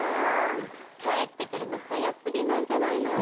帰ってくるの早過ぎなんじゃないの？」